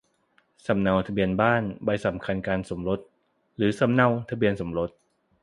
สำเนาทะเบียนบ้าน ใบสำคัญการสมรส หรือสำเนาทะเบียนสมรส